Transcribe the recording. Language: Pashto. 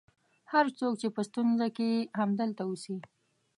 هر څوک چې په ستونزه کې یې همدلته اوسي.